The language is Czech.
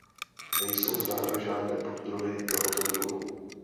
Nejsou známy žádné poddruhy tohoto druhu.